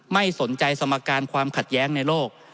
ไม่สนใจสมการความขัดแย้งในโลก